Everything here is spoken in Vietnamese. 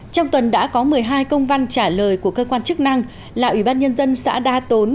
trong tuần đã có một mươi hai công văn trả lời của cơ quan chức năng là ủy ban nhân dân xã đa tốn